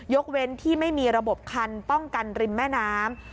เว้นที่ไม่มีระบบคันป้องกันริมแม่น้ำ